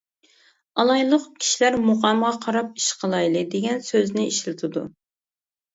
ئالايلۇق، كىشىلەر «مۇقامغا قاراپ ئىش قىلايلى» دېگەن سۆزنى ئىشلىتىدۇ.